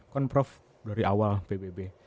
kan prof dari awal pbb